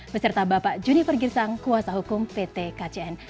beserta bapak juniper girsang kuasa hukum pt kcn